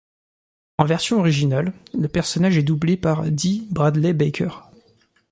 En version originale, le personnage est doublé par Dee Bradley Baker.